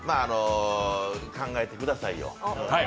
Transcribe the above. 考えてくださいよ。